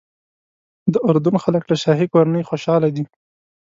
د اردن خلک له شاهي کورنۍ خوشاله دي.